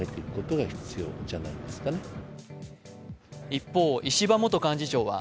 一方、石破元幹事長は